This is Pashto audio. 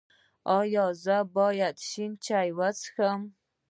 ایا زه باید شین چای وڅښم؟